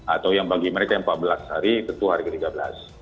atau yang bagi mereka empat belas hari ketua hari ke tiga belas